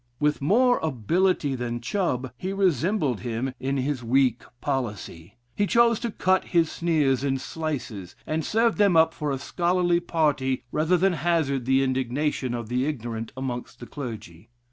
With more ability than Chubb, he resembled him in his weak policy; he chose to cut his sneers in slices, and served them up for a scholarly party rather than hazard the indignation of the ignorant amongst the clergy.